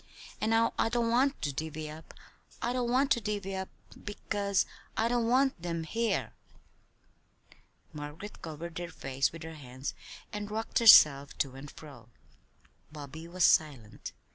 And now I don't want to divvy up, I don't want to divvy up, because I don't want them here!" Margaret covered her face with her hands and rocked herself to and fro. Bobby was silent.